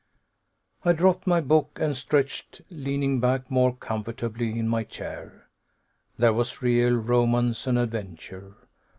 I dropped my book and stretched, leaning back more comfortably in my chair. There was real romance and adventure!